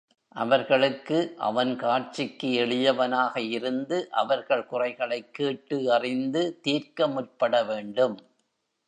அவர்களுக்கு அவன் காட்சிக்கு எளியவனாக இருந்து அவர்கள் குறைகளைக் கேட்டு அறிந்து தீர்க்க முற்பட வேண்டும்.